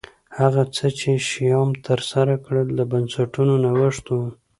هغه څه چې شیام ترسره کړل د بنسټونو نوښت و